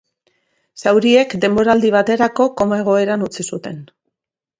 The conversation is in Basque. Zauriek denboraldi baterako koma egoeran utzi zuten.